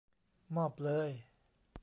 มอบเลย !